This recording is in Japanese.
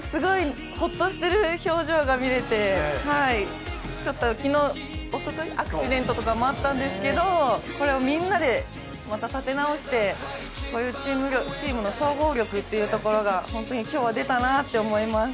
ほっとしてる表情が見れて、昨日、おととい、アクシデントとかもあったんですけど、これをみんなでまた立て直してチームの総合力というところが今日は本当に出たなと思います。